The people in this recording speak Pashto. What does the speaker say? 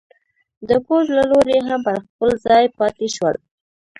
د پوځ له لوري هم پر خپل ځای پاتې شول.